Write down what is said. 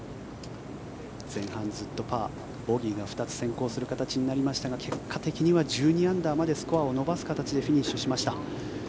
前半ずっとパーボギーが２つ先行する形になりましたが結果的には１２アンダーまでスコアを伸ばす形でフィニッシュしました。